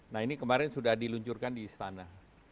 nah ini kemarin sudah diluncurkan di istana